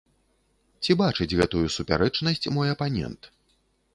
Ці бачыць гэтую супярэчнасць мой апанент?